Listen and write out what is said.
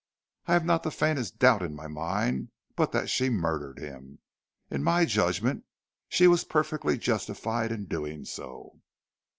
I have not the faintest doubt in my mind but that she murdered him. In my judgment, she was perfectly justified in doing so."